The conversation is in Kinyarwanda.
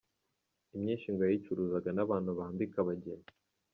Imyinshi ngo yayicuruzaga n’abantu bambika abageni.